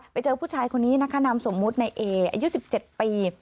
ไปเจอผู้ชายคนนี้นะคะนามสมมุติในเออายุ๑๗ปี